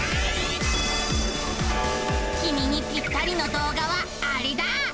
きみにぴったりの動画はアレだ！